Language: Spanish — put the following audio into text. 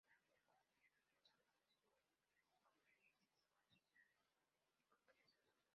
La vida cotidiana de los alumnos incluyen clases, conferencias, exposiciones y congresos.